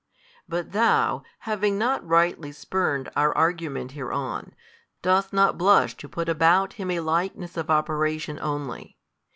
But thou, having not rightly spurned our argument hereon, dost not blush to put about Him a likeness of operation only.